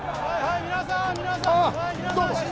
はい皆さん皆さんあ